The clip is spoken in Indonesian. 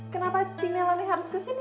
kenapa cine lali harus kesini